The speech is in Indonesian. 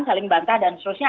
saling bantah dan seterusnya